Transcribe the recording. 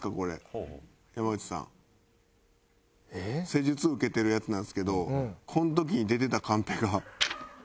施術受けてるやつなんですけどこの時に出てたカンペが。